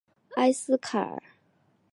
莱斯坎。